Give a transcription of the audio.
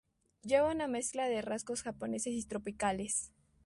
Lleva una mezcla de rasgos japoneses y tropicales.